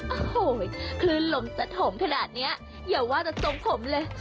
โอ้โหคลื่นลมจะถมขนาดนี้อย่าว่าแต่ทรงผมเลย